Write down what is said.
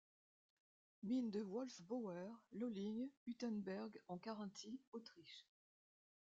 Mine de Wolfbauer, Lölling, Huttenberg en Carinthie, Autriche.